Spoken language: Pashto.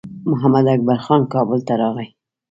محمداکبر خان کابل ته راغی.